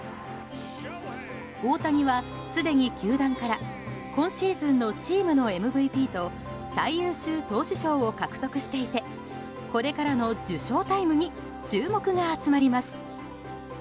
大谷は、すでに球団から今シーズンのチームのＭＶＰと最優秀投手賞を獲得していてこれからの受賞ＴＩＭＥに注目が集まります。